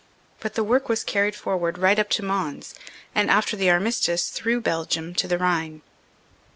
But the work was carried forward right up to Mons, and, after the armistice, through Belgium to the Rhine.